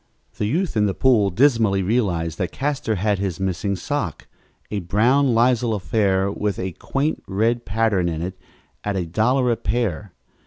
The youth in the pool dismally realized that Castor had his missing sock, a brown lisle affair with a quaint red pattern in it, at a dollar a pair.